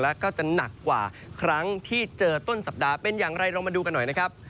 แล้วก็จะหนักกว่าครั้งที่เจอต้นสัปดาห์เป็นอย่างไรลองมาดูกันหน่อยนะครับ